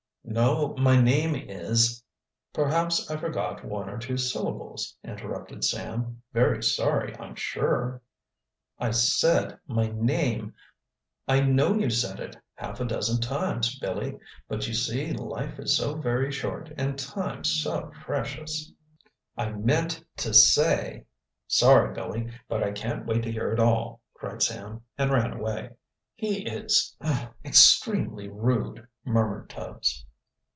"No, my name is " "Perhaps I forgot one or two syllables," interrupted Sam. "Very sorry, I'm sure." "I said my name " "I know you said it, half a dozen times, Billy. But you see life is so very short, and time so precious " "I meant to say " "Sorry, Billy, but I can't wait to hear it all," cried Sam, and ran away. "He is er extremely rude," murmured Tubbs.